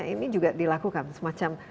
ini juga dilakukan semacam